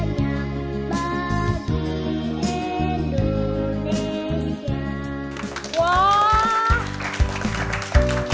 kembali dalam keselamatan